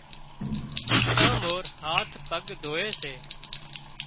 اُوٺتان مورِ هاٿ پڳ ڌووي سي۔